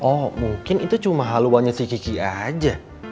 oh mungkin itu cuma haluannya si kiki aja